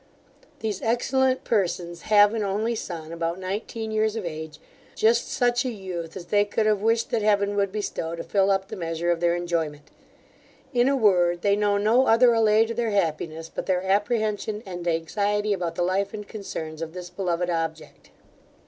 These excellent persons have an only son, about nineteen years of age, just such a youth as they could have wished that Heaven would bestow to fill up the measure of their enjoyment In a word, they know no other allay to their happiness, but their apprehension and anxiety about the life and concerns of this beloved object.